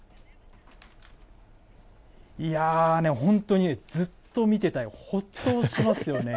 いやー、ねえ、本当にずっと見てたい、ほっとしますよね。